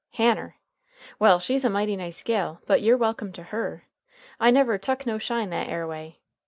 Hanner! Well, she's a mighty nice gal, but you're welcome to her. I never tuck no shine that air way.